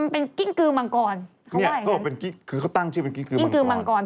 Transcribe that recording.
เป็นกิ้งกือมังกรเขาว่าอย่างงั้นคือเขาตั้งชื่อเป็นกิ้งกือมังกร